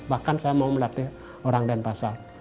bahkan saya mau melatih orang denpasar